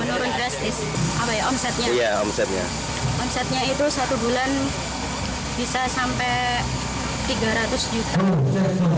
menurun drastis omsetnya itu satu bulan bisa sampai tiga ratus juta